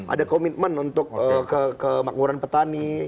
ada komitmen untuk kemakmuran petani